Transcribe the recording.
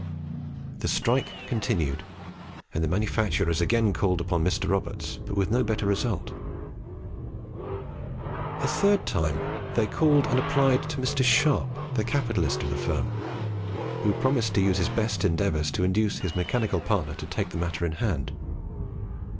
The strike continued, and the manufacturers again called upon Mr. Roberts, but with no better result. A third time they called and appealed to Mr. Sharp, the capitalist of the firm, who promised to use his best endeavours to induce his mechanical partner to take the matter in hand.